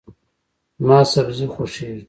زما سبزي خوښیږي.